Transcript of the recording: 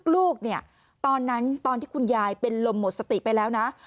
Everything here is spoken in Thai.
ลูกเนี่ยตอนนั้นตอนที่คุณยายเป็นลมหมดสติไปแล้วนะ